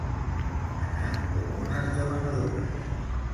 Anar com unes debanadores.